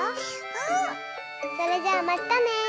うん！それじゃあまったね！